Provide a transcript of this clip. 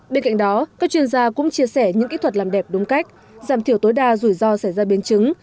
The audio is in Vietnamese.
bên cạnh đó các chuyên gia cũng chia sẻ những kỹ thuật làm đẹp đúng cách giảm thiểu tối đa rủi ro xảy ra biến chứng